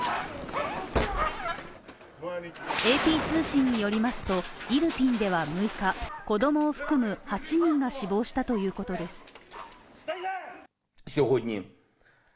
ＡＰ通信によりますと、イルピンでは６日、子供を含む８人が死亡したということです。